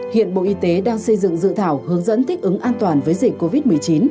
hiện bộ y tế đang xây dựng dự thảo hướng dẫn thích ứng an toàn với dịch covid một mươi chín